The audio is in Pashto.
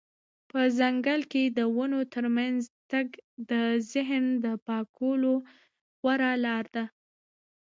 په ځنګل کې د ونو ترمنځ تګ د ذهن د پاکولو غوره لاره ده.